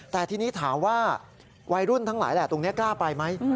แต่ทีนี้ถามว่าวัยรุ่นทั้งหลายแหละตรงนี้กล้าไปไหม